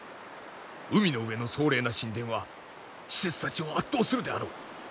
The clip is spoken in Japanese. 海の上の壮麗な神殿は使節たちを圧倒するであろう！